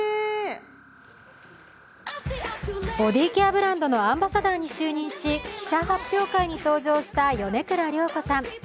ボディーケアブランドのアンバサダーに就任し記者発表会に登場した米倉涼子さん。